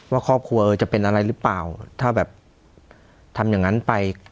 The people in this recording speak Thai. ว่าครอบครัวจะเป็นอะไรหรือเปล่าถ้าแบบทำอย่างนั้นไป